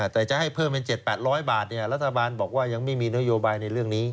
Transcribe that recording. แต่จะให้เพิ่มเป็น๗๘๐๐บาทรัฐบาลบอกว่ายังไม่มีนโยบายในเรื่องนี้